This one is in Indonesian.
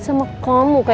bakal ke johan